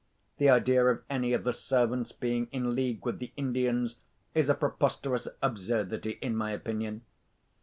The idea of any of the servants being in league with the Indians is a preposterous absurdity, in my opinion.